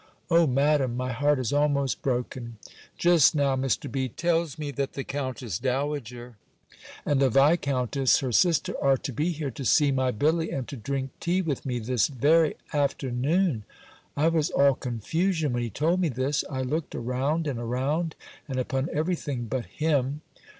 O, Madam! my heart is almost broken! Just now Mr. B. tells me, that the Countess Dowager and the Viscountess, her sister, are to be here to see my Billy, and to drink tea with me, this very afternoon! I was all confusion when he told me this. I looked around and around, and upon every thing but him.